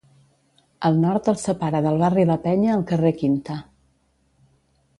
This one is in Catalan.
Al nord el separa del barri La Peña el carrer Quinta.